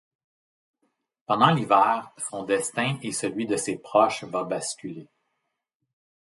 Pendant l'hiver, son destin et celui de ses proches va basculer.